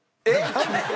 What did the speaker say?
えっ！？